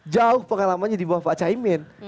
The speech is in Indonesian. jauh pengalamannya di bawah pak caimin